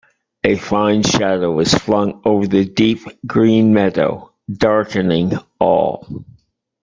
A fine shadow was flung over the deep green meadow, darkening all.